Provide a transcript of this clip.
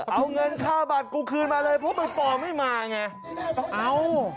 เอาเงินค่าบัตรกูคืนมาเลยเพราะใบปอลไม่มาไงเอา